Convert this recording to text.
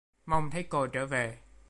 Mong thấy cô trở về